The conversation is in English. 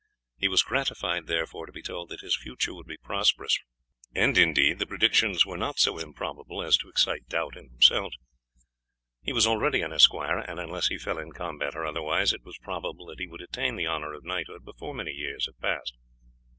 He was gratified, therefore, to be told that his future would be prosperous; and, indeed, the predictions were not so improbable as to excite doubt in themselves. He was already an esquire, and unless he fell in combat or otherwise, it was probable that he would attain the honour of knighthood before many years had passed.